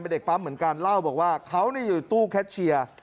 เป็นเด็กปั๊มเหมือนกันเล่าบอกว่าเขาอยู่ตู้แคชเชียร์